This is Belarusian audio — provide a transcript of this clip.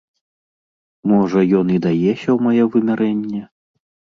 Можа, ён і дае сёмае вымярэнне?